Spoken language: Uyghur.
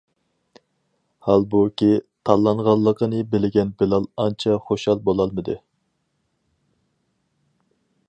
ھالبۇكى، تاللانغانلىقىنى بىلگەن بىلال ئانچە خۇشال بولالمىدى.